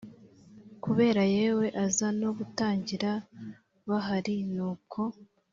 kubera yewe aza no gutangira bahari nuko